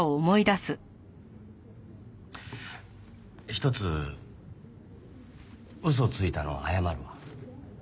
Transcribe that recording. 一つ嘘ついたの謝るわ。